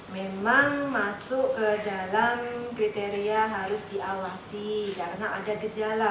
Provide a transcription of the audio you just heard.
memang masuk ke dalam kriteria harus diawasi karena ada gejala